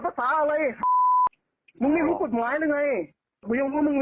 กว่าไปหลังเมื่อทาง